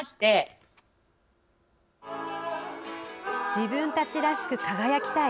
自分たちらしく輝きたい。